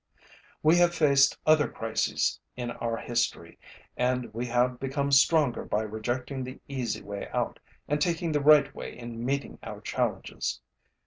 We have faced other crises in our history and we have become stronger by rejecting the easy way out and taking the right way in meeting our challenges.